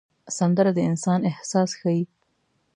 سندره د انسان احساس ښيي